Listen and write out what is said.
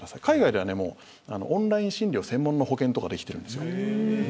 海外ではもうオンライン診療専門の保険とかできてるんですよ